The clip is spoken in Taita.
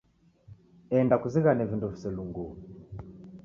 Enda kuzighane vindo viselunguo.